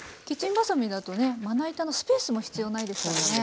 キッチンばさみだとねまな板のスペースも必要ないですからね。